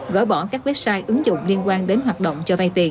gỡ bỏ các website ứng dụng liên quan đến hoạt động cho vay tiền